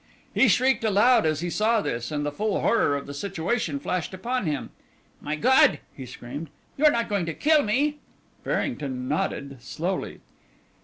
He shrieked aloud as he saw this, and the full horror of the situation flashed upon him. "My God," he screamed, "you are not going to kill me?" Farrington nodded slowly.